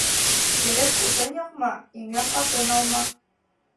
Ерек утын яҡма, еңгә ҡатын алма: